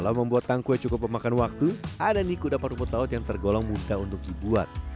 kalau membuat tangkwe cukup memakan waktu ada nih kudapan rumput laut yang tergolong mudah untuk dibuat